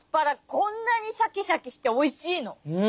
こんなにシャキシャキしておいしいの！？